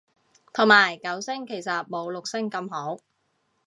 同埋九聲其實冇六聲咁好